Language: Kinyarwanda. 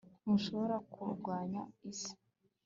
ntushobora kurwanya isi